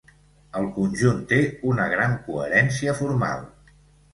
El conjunt té una gran coherència formal.